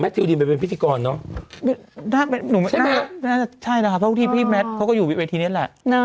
แมทธิวดินเป็นพิธีกรเนอะใช่ไหมใช่นะคะเพราะว่าพี่แมทเขาก็อยู่วิทยาลัยนี้แหละ